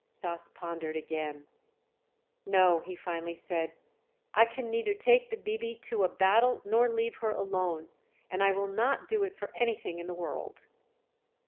Stas pondered again. "No," he finally said, "I can neither take the 'bibi' to a battle nor leave her alone, and I will not do it for anything in the world."